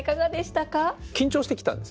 緊張して来たんですね。